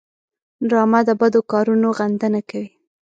ډرامه د بدو کارونو غندنه کوي